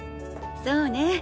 そうね。